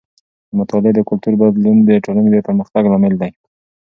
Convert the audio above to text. د مطالعې د کلتور بدلون د ټولنې د پرمختګ لامل دی.